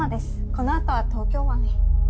この後は東京湾へ。